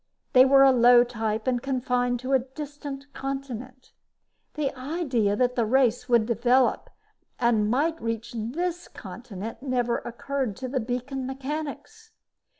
They were a low type and confined to a distant continent. The idea that the race would develop and might reach this continent never occurred to the beacon mechanics.